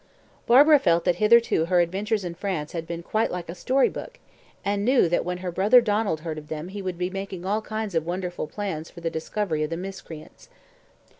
Barbara felt that hitherto her adventures in France had been quite like a story book, and knew that when her brother Donald heard of them he would be making all kind of wonderful plans for the discovery of the miscreants.